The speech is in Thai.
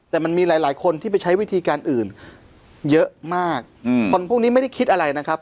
แต่มันมีหลายหลายคนที่ไปใช้วิธีการอื่นเยอะมากคนพวกนี้ไม่ได้คิดอะไรนะครับ